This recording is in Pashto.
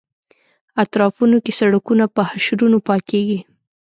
اطرافونو کې سړکونه په حشرونو پاکېږي.